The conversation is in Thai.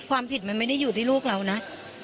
ความผิดมันไม่ได้อยู่ที่ลูกเรานะ